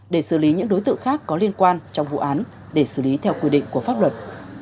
để xử lý những đối tượng khác có liên quan trong vụ án để xử lý theo quy định của pháp luật